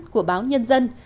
của báo nhân dân